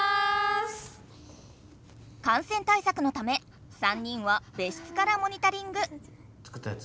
感染対策のため３人は別室からモニタリング。